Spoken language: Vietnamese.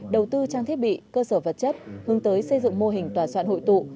đầu tư trang thiết bị cơ sở vật chất hướng tới xây dựng mô hình tòa soạn hội tụ